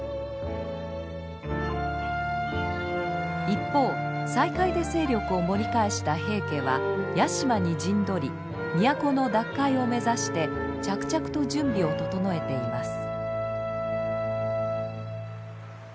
一方西海で勢力を盛り返した平家は屋島に陣取り都の奪回を目指して着々と準備を整えています。